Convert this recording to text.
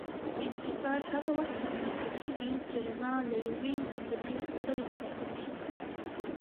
انکسار هغه وخت رامنځته کېږي چې رڼا له یوې منځنۍ بلې ته داخله شي.